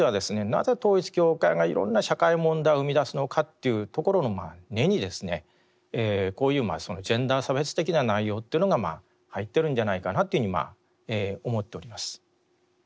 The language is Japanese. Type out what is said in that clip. なぜ統一教会がいろんな社会問題を生みだすのかというところの根にですねこういうジェンダー差別的な内容というのが入っているんじゃないかなというふうに思っております。